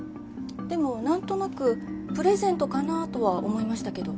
でもなんとなくプレゼントかなとは思いましたけど。